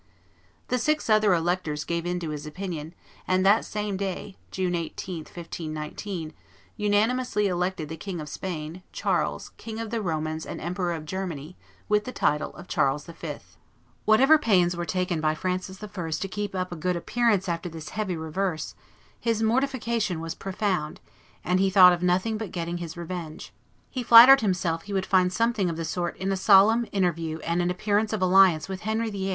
The six other electors gave in to his opinion, and that same day, June 18, 1519, unanimously elected the King of Spain, Charles, King of the Romans and Emperor of Germany, with the title of Charles V. [Illustration: Charles V 39] Whatever pains were taken by Francis I. to keep up a good appearance after this heavy reverse, his mortification was profound, and he thought of nothing but getting his revenge. He flattered himself he would find something of the sort in a solemn interview and an appearance of alliance with Henry VIII.